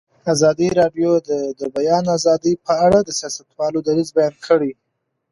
ازادي راډیو د د بیان آزادي په اړه د سیاستوالو دریځ بیان کړی.